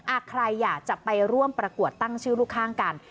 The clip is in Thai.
ใครอยากจะไปร่วมประกวดตั้งชื่อลูกข้างกัน